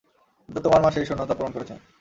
কিন্তু তোমার মা সেই শূন্যতা পূর্ণ করেছেন।